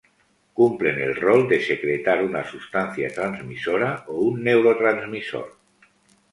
Cumplen el rol de secretar una sustancia transmisora o un neurotransmisor.